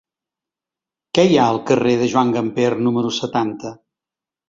Què hi ha al carrer de Joan Gamper número setanta?